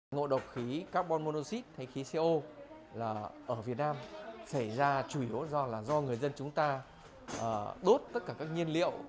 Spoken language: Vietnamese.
ngộ độc khí carbon monoxide hay khí co ở việt nam xảy ra chủ yếu do người dân chúng ta đốt tất cả các nhiên liệu